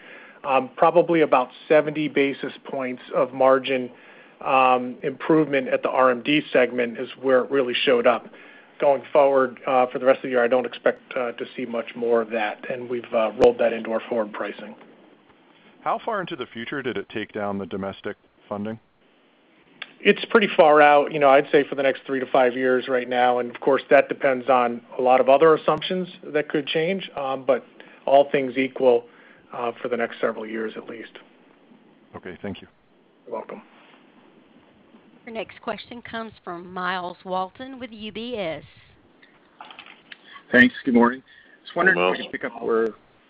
Probably about 70 basis points of margin improvement at the RMD segment is where it really showed up. Going forward, for the rest of the year, I don't expect to see much more of that, and we've rolled that into our forward pricing. How far into the future did it take down the domestic funding? It's pretty far out. I'd say for the next three to five years right now, and of course, that depends on a lot of other assumptions that could change. All things equal, for the next several years at least. Okay. Thank you. You're welcome. Your next question comes from Myles Walton with UBS. Thanks. Good morning. Good morning. Just wondering if we could pick up where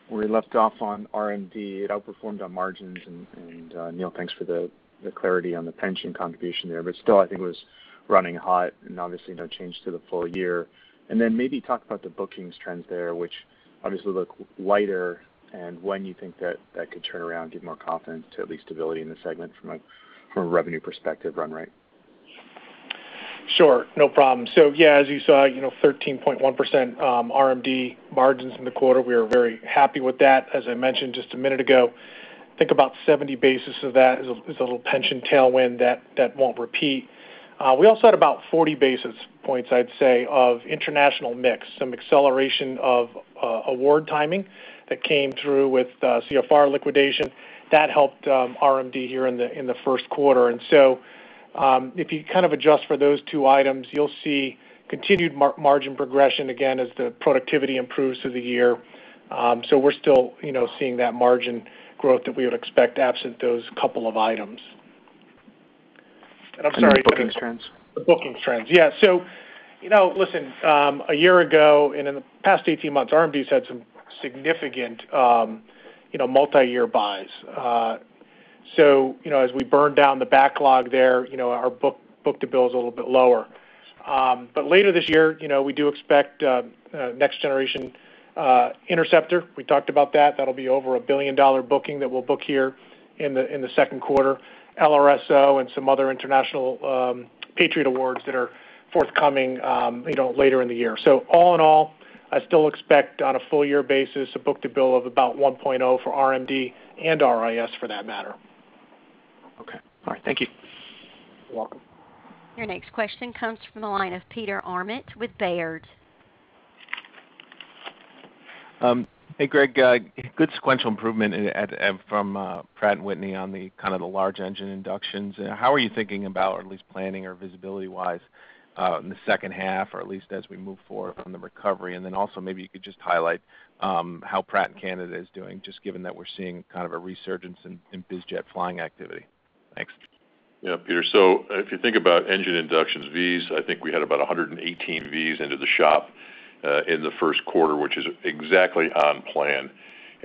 we left off on RMD? It outperformed on margins, and, Neil, thanks for the clarity on the pension contribution there, but still, I think it was running hot and obviously no change to the full year. Maybe talk about the bookings trends there, which obviously look lighter and when you think that that could turn around, give more confidence to at least stability in the segment from a revenue perspective run rate. Sure. No problems. Yeah, as you saw, 13.1% RMD margins in the quarter. We are very happy with that. As I mentioned just a minute ago, think about 70 basis of that is a little pension tailwind that won't repeat. We also had about 40 basis points, I'd say, of international mix, some acceleration of award timing that came through with CFR liquidation that helped, RMD here in the first quarter. If you kind of adjust for those two items, you'll see continued margin progression again as the productivity improves through the year. We're still seeing that margin growth that we would expect absent those couple of items. I'm sorry- The bookings trends. The bookings trends. Listen, a year ago and in the past 18 months, RMD's had some significant multiyear buys. As we burn down the backlog there, our book-to-bill is a little bit lower. Later this year, we do expect Next Generation Interceptor, we talked about that. That'll be over a billion-dollar booking that we'll book here in the second quarter. LRSO and some other international Patriot awards that are forthcoming later in the year. All in all, I still expect on a full year basis, a book-to-bill of about 1.0 for RMD and RIS for that matter. Okay. All right. Thank you. You're welcome. Your next question comes from the line of Peter Arment with Baird. Hey, Greg. Good sequential improvement from Pratt & Whitney on the large engine inductions. How are you thinking about, or at least planning or visibility-wise, in the second half, or at least as we move forward from the recovery? Also, maybe you could just highlight how Pratt & Whitney Canada is doing, just given that we're seeing kind of a resurgence in bizjet flying activity. Thanks. Yeah, Peter. If you think about engine inductions Vs, I think we had about 118 Vs into the shop, in the first quarter, which is exactly on plan.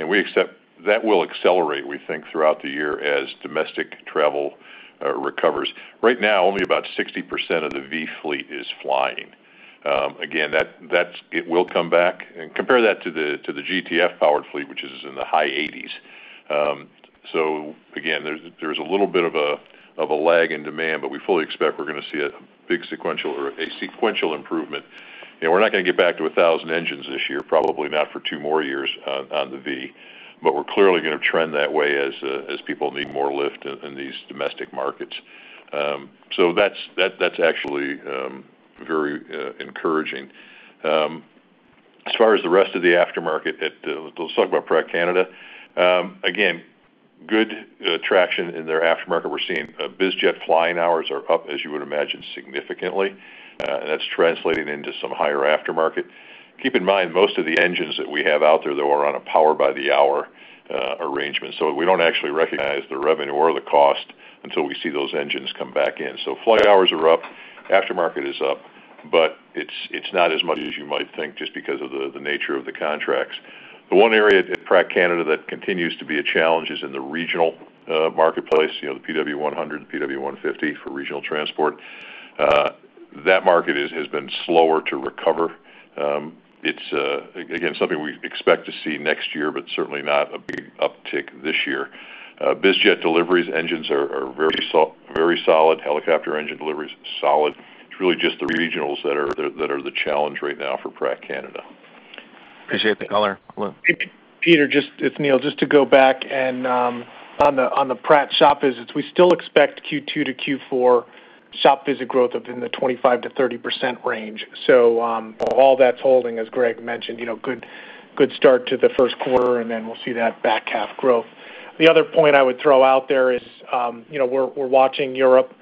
We accept that will accelerate, we think, throughout the year as domestic travel recovers. Right now, only about 60% of the V fleet is flying. Again, it will come back, and compare that to the GTF powered fleet, which is in the high 80%s. Again, there's a little bit of a lag in demand, but we fully expect we're going to see a big sequential or a sequential improvement. We're not going to get back to 1,000 engines this year, probably not for two more years on the V, but we're clearly going to trend that way as people need more lift in these domestic markets. That's actually very encouraging. As far as the rest of the aftermarket, let's talk about Pratt Canada. Good traction in their aftermarket. We're seeing bizjet flying hours are up, as you would imagine, significantly. That's translating into some higher aftermarket. Keep in mind, most of the engines that we have out there, though, are on a Power by the Hour arrangement. We don't actually recognize the revenue or the cost until we see those engines come back in. Flight hours are up, aftermarket is up, it's not as much as you might think just because of the nature of the contracts. The one area at Pratt Canada that continues to be a challenge is in the regional marketplace, the PW100, PW150 for regional transport. That market has been slower to recover. It's, again, something we expect to see next year. Certainly not a big uptick this year. Bizjet deliveries engines are very solid. Helicopter engine deliveries are solid. It's really just the regionals that are the challenge right now for Pratt Canada. Appreciate the color. Peter, it's Neil. Just to go back and, on the Pratt shop visits, we still expect Q2 to Q4 shop visit growth of in the 25%-30% range. All that's holding, as Greg mentioned, Good start to the first quarter, and then we'll see that back half growth. The other point I would throw out there is, we're watching Europe,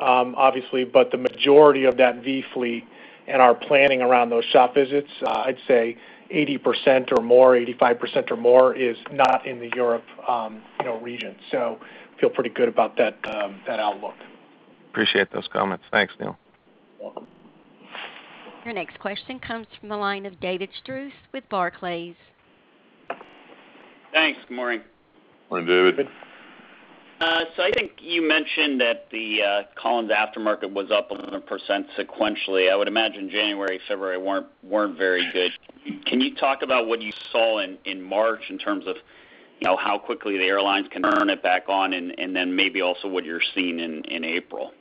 obviously, but the majority of that V fleet and our planning around those shop visits, I'd say 80% or more, 85% or more is not in the Europe region. Feel pretty good about that outlook. Appreciate those comments. Thanks, Neil. Your next question comes from the line of David Strauss with Barclays. Thanks, good morning. Morning, David. I think you mentioned that the Collins aftermarket was up 11% sequentially. I would imagine January, February weren't very good. Can you talk about what you saw in March in terms of how quickly the airlines can turn it back on, and then maybe also what you're seeing in April?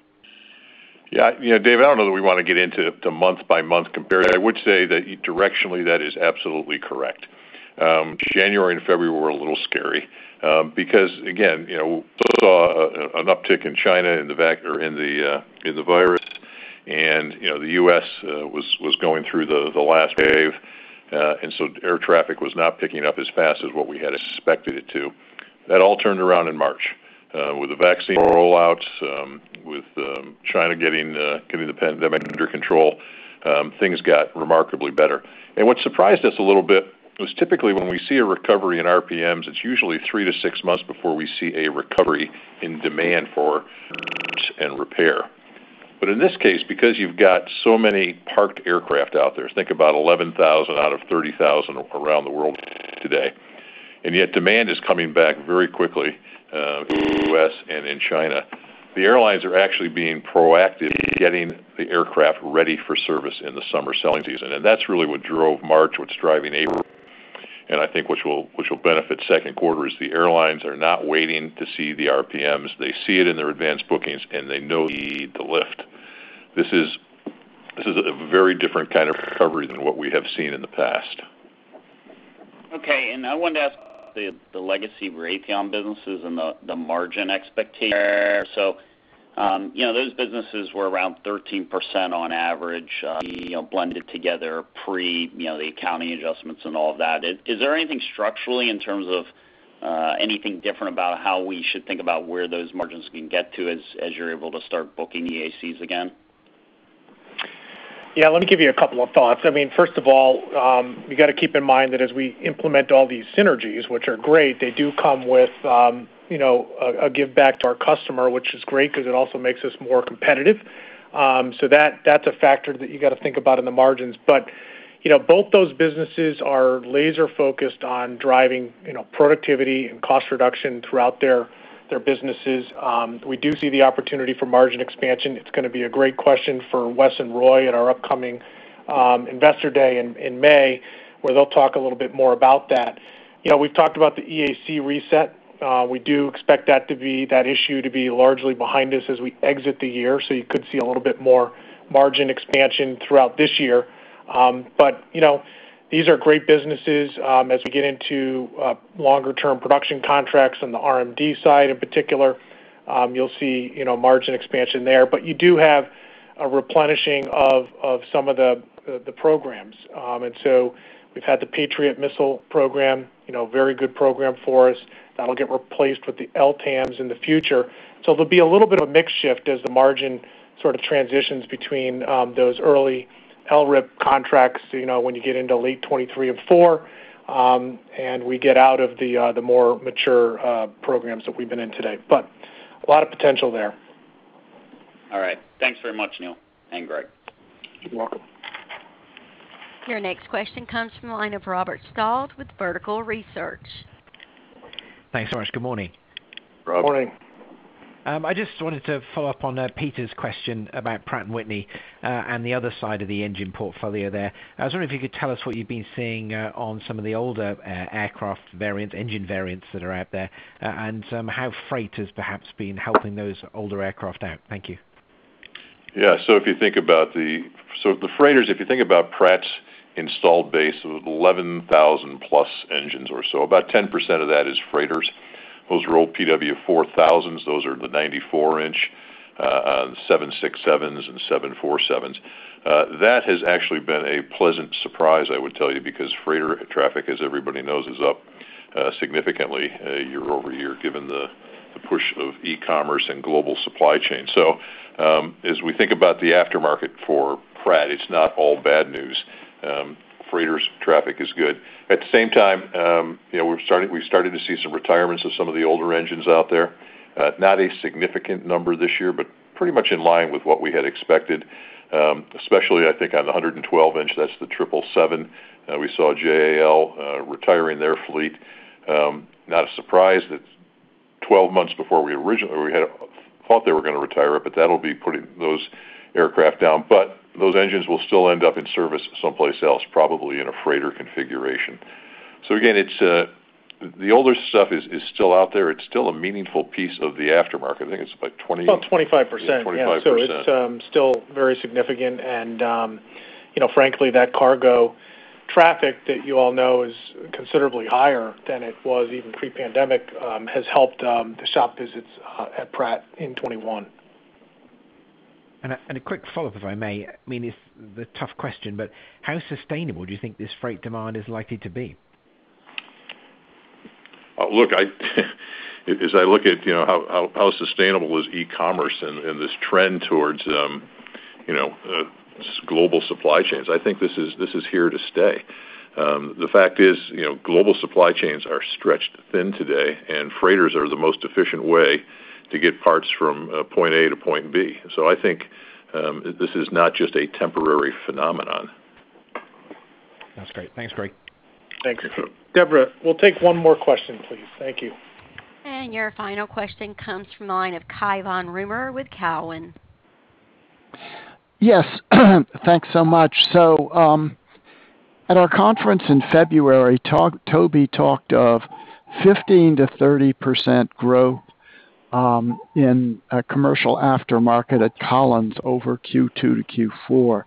Yeah. David, I don't know that we want to get into month-by-month comparing. I would say that directionally, that is absolutely correct. January and February were a little scary. Again, we saw an uptick in China in the virus, and the U.S. was going through the last wave, air traffic was not picking up as fast as what we had expected it to. That all turned around in March. With the vaccine rollout, with China getting the pandemic under control, things got remarkably better. What surprised us a little bit was typically when we see a recovery in RPMs, it's usually three to six months before we see a recovery in demand for parts and repair. In this case, because you've got so many parked aircraft out there, think about 11,000 out of 30,000 around the world today, and yet demand is coming back very quickly in the U.S. and in China. The airlines are actually being proactive in getting the aircraft ready for service in the summer selling season, and that's really what drove March, what's driving April, and I think which will benefit second quarter, is the airlines are not waiting to see the RPMs. They see it in their advanced bookings, and they know they need the lift. This is a very different kind of recovery than what we have seen in the past. I wanted to ask about the legacy Raytheon businesses and the margin expectations there. Those businesses were around 13% on average, blended together pre the accounting adjustments and all of that. Is there anything structurally in terms of anything different about how we should think about where those margins can get to as you're able to start booking EACs again? Let me give you a couple of thoughts. First of all, you got to keep in mind that as we implement all these synergies, which are great, they do come with a giveback to our customer, which is great because it also makes us more competitive. That's a factor that you got to think about in the margins. Both those businesses are laser-focused on driving productivity and cost reduction throughout their businesses. We do see the opportunity for margin expansion. It's going to be a great question for Wes and Roy at our upcoming Investor Day in May, where they'll talk a little bit more about that. We've talked about the EAC reset. We do expect that issue to be largely behind us as we exit the year, so you could see a little bit more margin expansion throughout this year. These are great businesses. As we get into longer-term production contracts on the RMD side in particular, you'll see margin expansion there. You do have a replenishing of some of the programs. We've had the Patriot Missile program, very good program for us. That'll get replaced with the LTAMDS in the future. There'll be a little bit of a mix shift as the margin sort of transitions between those early LRIP contracts, when you get into late 2023 and 2024, and we get out of the more mature programs that we've been in today. A lot of potential there. All right. Thanks very much, Neil and Greg. You're welcome. Your next question comes from the line of Robert Stallard with Vertical Research. Thanks so much. Good morning. Morning. I just wanted to follow up on Peter's question about Pratt & Whitney, and the other side of the engine portfolio there. I was wondering if you could tell us what you've been seeing on some of the older aircraft variant, engine variants that are out there, and how freight has perhaps been helping those older aircraft out. Thank you. Yeah. If you think about the freighters, if you think about Pratt's installed base of 11,000+ engines or so, about 10% of that is freighters. Those are all PW4000s. Those are the 94-inch, 767s and 747s. That has actually been a pleasant surprise, I would tell you, because freighter traffic, as everybody knows, is up significantly year-over-year, given the push of e-commerce and global supply chain. As we think about the aftermarket for Pratt, it's not all bad news. Freighters traffic is good. At the same time, we've started to see some retirements of some of the older engines out there. Not a significant number this year, but pretty much in line with what we had expected, especially I think on the 112-inch, that's the 777. We saw JAL retiring their fleet. Not a surprise that 12 months before we had thought they were going to retire it, that'll be putting those aircraft down. Those engines will still end up in service someplace else, probably in a freighter configuration. Again, the older stuff is still out there. It's still a meaningful piece of the aftermarket. I think it's like 20- About 25%. Yeah, 25%. It's still very significant, and frankly, that cargo traffic that you all know is considerably higher than it was even pre-pandemic, has helped the shop visits at Pratt in 2021. A quick follow-up, if I may. I mean, it's the tough question, but how sustainable do you think this freight demand is likely to be? As I look at how sustainable is e-commerce and this trend towards global supply chains, I think this is here to stay. The fact is, global supply chains are stretched thin today, and freighters are the most efficient way to get parts from point A to point B. I think this is not just a temporary phenomenon. That's great. Thanks, Greg. Thanks. Deborah, we'll take one more question, please. Thank you. Your final question comes from the line of Cai von Rumohr with Cowen. Yes. Thanks so much. At our conference in February, Toby talked of 15%-30% growth in a commercial aftermarket at Collins over Q2 to Q4.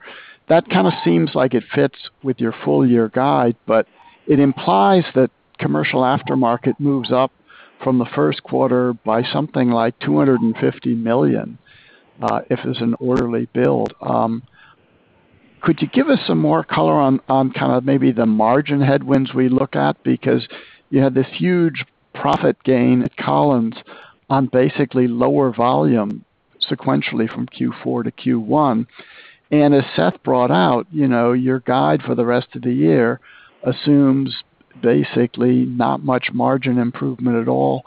That kind of seems like it fits with your full-year guide, but it implies that commercial aftermarket moves up from the first quarter by something like $250 million, if it's an orderly build. Could you give us some more color on kind of maybe the margin headwinds we look at? You had this huge profit gain at Collins on basically lower volume sequentially from Q4 to Q1. As Seth brought out, your guide for the rest of the year assumes basically not much margin improvement at all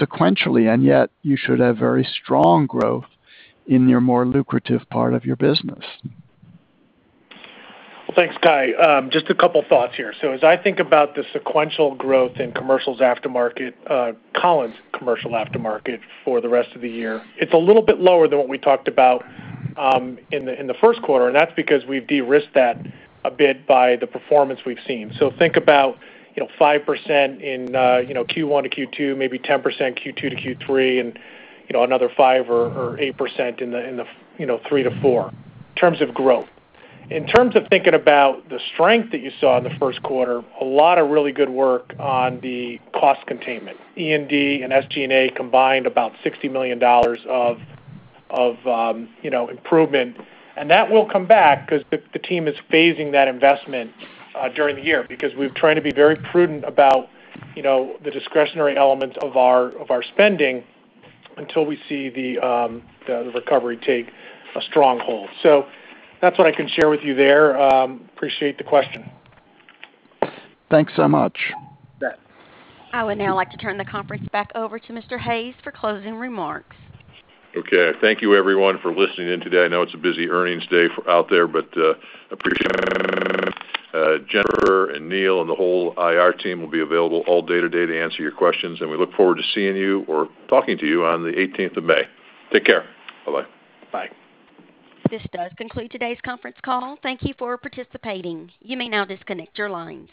sequentially, and yet you should have very strong growth in your more lucrative part of your business. Well, thanks, Cai. Just a couple of thoughts here. As I think about the sequential growth in commercial's aftermarket, Collins' commercial aftermarket for the rest of the year, it's a little bit lower than what we talked about in the first quarter, and that's because we've de-risked that a bit by the performance we've seen. Think about 5% in Q1 to Q2, maybe 10% Q2 to Q3, and another 5% or 8% in the three to four in terms of growth. In terms of thinking about the strength that you saw in the first quarter, a lot of really good work on the cost containment. E&D and SG&A combined about $60 million of improvement. That will come back because the team is phasing that investment during the year because we've tried to be very prudent about the discretionary elements of our spending until we see the recovery take a stronghold. That's what I can share with you there. Appreciate the question. Thanks so much. You bet. I would now like to turn the conference back over to Mr. Hayes for closing remarks. Okay. Thank you everyone for listening in today. I know it's a busy earnings day out there, but I appreciate Jennifer and Neil and the whole IR team will be available all day today to answer your questions, and we look forward to seeing you or talking to you on the 18th of May. Take care. Bye-bye. Bye. This does conclude today's conference call. Thank you for participating. You may now disconnect your lines.